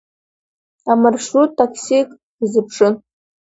Амаршрут таксик дазыԥшын.